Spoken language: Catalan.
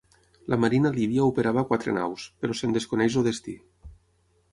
La marina líbia operava quatre naus, però se'n desconeix el destí.